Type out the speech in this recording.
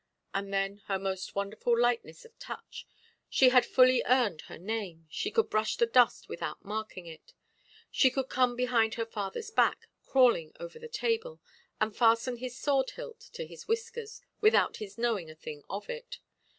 And then her most wonderful lightness of touch; she had fully earned her name, she could brush the dust without marking it. She could come behind her fatherʼs back, crawling over the table, and fasten his sword–hilt to his whiskers, without his knowing a thing of it.